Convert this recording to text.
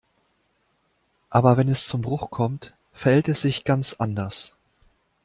Aber wenn es zum Bruch kommt, verhält es sich ganz anders.